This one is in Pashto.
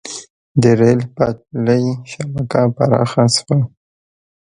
د ریل پټلۍ شبکه پراخه شوه.